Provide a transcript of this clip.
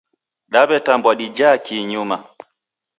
Dawetambwa dijaa kii nyuma